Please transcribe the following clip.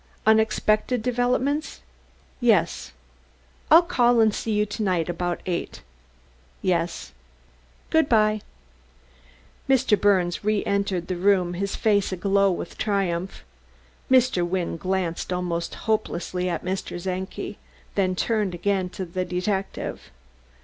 _.. Unexpected developments, yes. ... I'll call and see you to night about eight. ... Yes. ... Good by!" Mr. Birnes reentered the room, his face aglow with triumph. Mr. Wynne glanced almost hopelessly at Mr. Czenki, then turned again to the detective.